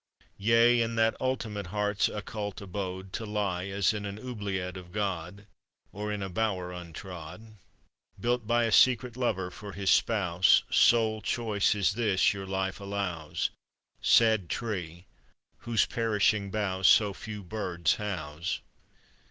Yea, in that ultimate heart's occult abode To lie as in an oubliette of God; Or in a bower untrod, Built by a secret Lover for His Spouse; Sole choice is this your life allows, Sad tree, whose perishing boughs So few birds house!